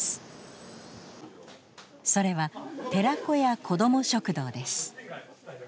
それは寺子屋子ども食堂です。